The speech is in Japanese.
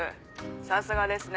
さすがですね。